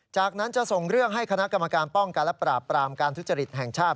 จากนั้นจะส่งเรื่องให้คณะกรรมการป้องกันและปราบปรามการทุจริตแห่งชาติ